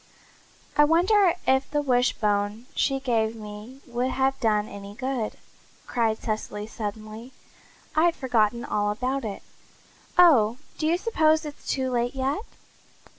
"I wonder if the wishbone she gave me would have done any good," cried Cecily suddenly. "I'd forgotten all about it. Oh, do you suppose it's too late yet?"